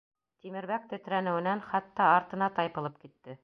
Тимербәк тетрәнеүенән хатта артына тайпылып китте.